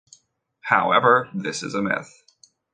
However, this is a myth.